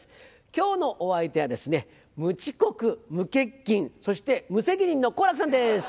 今日のお相手はですね無遅刻無欠勤そして無責任の好楽さんです！